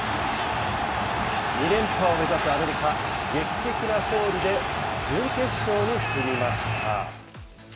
２連覇を目指すアメリカ、劇的な勝利で準決勝に進みました。